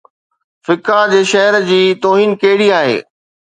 فقه جي شهر جي توهين ڪهڙي آهي؟